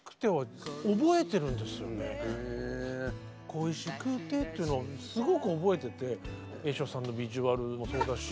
「恋しくて」というのはすごく覚えてて栄昇さんのビジュアルもそうだし